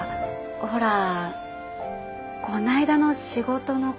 ほらこないだの仕事のこととか。